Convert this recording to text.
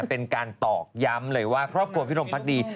เป็นการตอกย้ำเลยว่าครอบครัวพิธรมภักดี